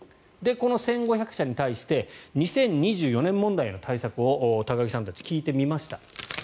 この１５００社に対して２０２４年問題の対策を高木さんたちに聞いてみました。